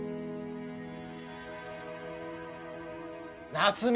夏美！